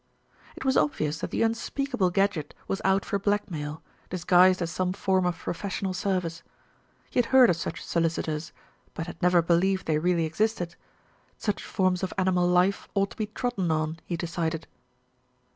It was obvious that the unspeakable Gadgett was out for blackmail, disguised as some form of profes sional service. He had heard of such solicitors; but had never believed they really existed. Such forms of animal life ought to be trodden on, he decided.